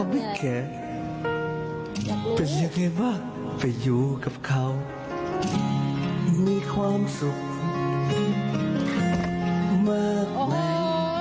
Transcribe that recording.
มีความสุขมากไง